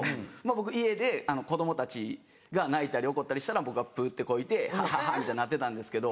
僕家で子供たちが泣いたり怒ったりしたら僕がプッてこいてハハハみたいになってたんですけど。